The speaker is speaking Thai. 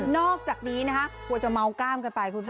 อกจากนี้นะคะกลัวจะเมากล้ามกันไปคุณผู้ชม